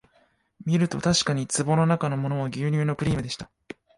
みるとたしかに壺のなかのものは牛乳のクリームでした